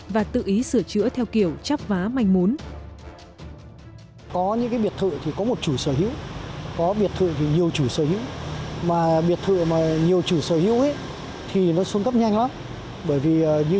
và tự ý sửa chữa theo kiểu chắp vá manh mốn